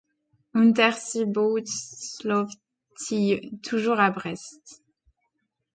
Unterseebootsflottille toujours à Brest.